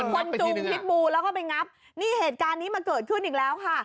คนจุงพิษบูแล้วก็ไปงับนี่เหตุการณ์นี้มาเกิดขึ้นอีกแล้วค่ะ